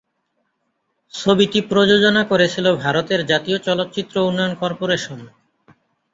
ছবিটি প্রযোজনা করেছিল ভারতের জাতীয় চলচ্চিত্র উন্নয়ন কর্পোরেশন।